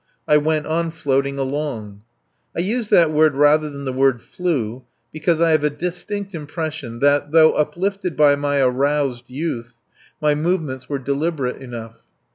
I went on floating along. I use that word rather than the word "flew," because I have a distinct impression that, though uplifted by my aroused youth, my movements were deliberate enough.